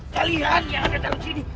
kalian yang ada dalam sini